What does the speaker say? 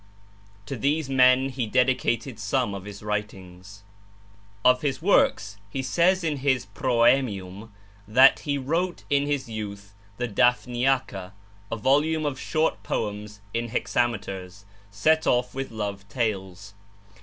To these men he dedicated some of his writings. Of his works, he says in his 'Prooemium' that he wrote in his youth the 'Daphniaca,' a volume of short poems in hexameters, set off with love tales.